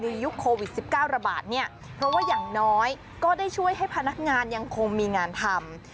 ยุคโควิด๑๙ระบาดเนี่ยเพราะว่าอย่างน้อยก็ได้ช่วยให้พนักงานยังคงมีงานทำ